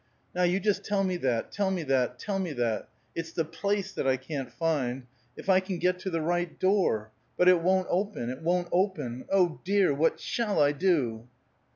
"Now you just tell me that, tell me that, tell me that! It's the place that I can't find. If I can get to the right door! But it won't open! It won't open! Oh, dear! What shall I do!"